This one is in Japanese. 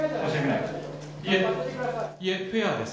いいえ、フェアです。